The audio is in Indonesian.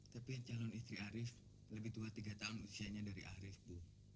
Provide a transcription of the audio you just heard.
tapi calon istri arief lebih tua tiga tahun usianya dari arief bu